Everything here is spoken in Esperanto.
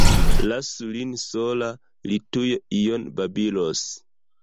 Lasu lin sola, li tuj ion babilos.